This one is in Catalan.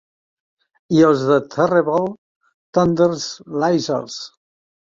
I els The Terrible Thunderlizards.